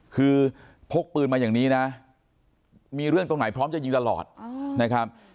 คือพกปืนมาอย่างนี้นะมีเรื่องตรงไหนพร้อมจะยิงตลอดนะครับ